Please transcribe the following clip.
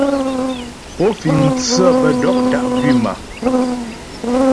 Pó fíŋ mtsə́ bə dɔ̀k dá' gwím a ?